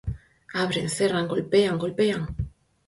abren, cerran, golpean, golpean.